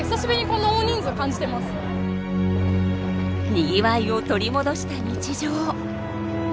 にぎわいを取り戻した日常。